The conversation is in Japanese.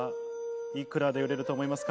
いくらで売れると思いますか？